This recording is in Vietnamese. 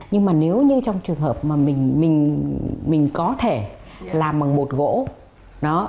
nhưng mà nếu như trong trường hợp mà mình có thể làm bằng bột gỗ